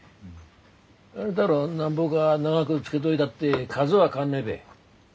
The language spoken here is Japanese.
あれだろうなんぼか長ぐつけどいだって数は変わんねえべ。